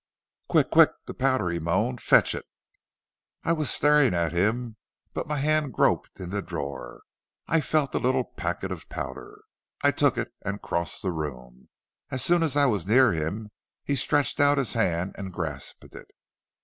"'Quick, quick, the powder!' he moaned; 'fetch it!' "I was staring at him, but my hand groped in the drawer. I felt a little packet of powder; I took it and crossed the room. As soon as I was near him he stretched out his hand and grasped it.